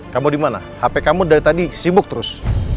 kamu dimana hp kamu dari tadi sibuk terus